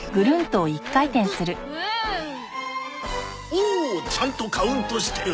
おお！おっ！ちゃんとカウントしてる。